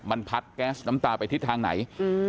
มันพัดแก๊สน้ำตาไปทิศทางไหน